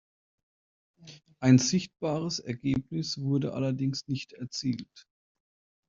Ein sichtbares Ergebnis wurde allerdings nicht erzielt.